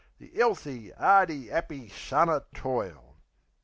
The 'ealthy, 'ardy, 'appy son o' toil!